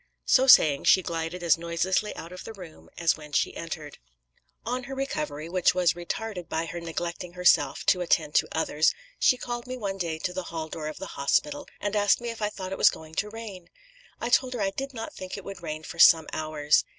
So saying, she glided as noiselessly out of the room as when she entered. "On her recovery which was retarded by her neglecting herself to attend to others she called me one day to the hall door of the hospital, and asked me if I thought it was going to rain. I told her I did not think it would rain for some hours.